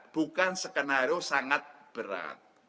bukan skenario sangat berat